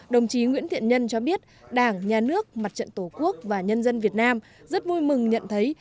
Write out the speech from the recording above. đồng chí nguyễn thiện nhân cho biết đảng nhà nước mặt trận tổ quốc và nhân dân việt nam rất vui mừng nhận thấy